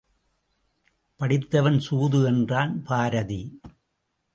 படித்தவன் சூது என்றான் பாரதி.